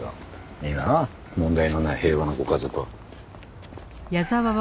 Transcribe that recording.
いいなあ問題のない平和なご家族は。